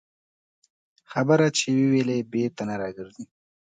خبره چې ووېلې، بېرته نه راګرځي